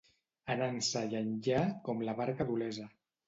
Anar ençà i enllà, com la barca d'Olesa.